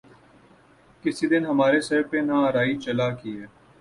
کس دن ہمارے سر پہ نہ آرے چلا کیے